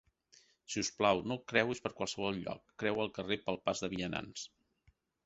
Si us plau, no creuis per qualsevol lloc, creua el carrer pel pas de vianants